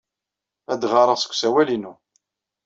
La d-ɣɣareɣ seg usawal-inu.